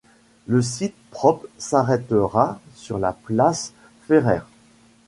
Le site propre s’arrêtera sur la place Ferrer.